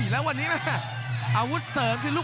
และอัพพิวัตรสอสมนึก